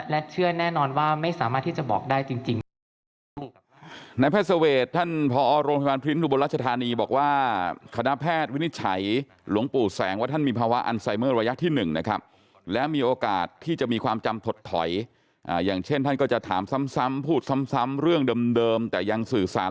และเชื่อแน่นอนว่าไม่สามารถที่จะบอกได้จริงค่ะ